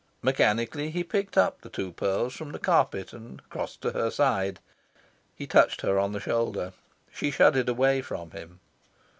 Mechanically he picked up the two pearls from the carpet, and crossed to her side. He touched her on the shoulder. She shuddered away from him.